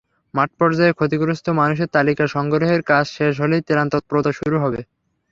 মাঠপর্যায়ে ক্ষতিগ্রস্ত মানুষের তালিকা সংগ্রহের কাজ শেষ হলেই ত্রাণ তৎপরতা শুরু হবে।